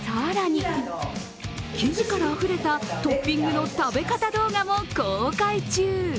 生地からあふれたトッピングの食べ方動画も公開中。